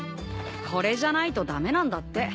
これじゃないと駄目なんだって。